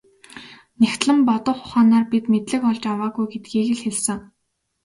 Нягтлан бодох ухаанаар бид мэдлэг олж аваагүй гэдгийг л хэлсэн.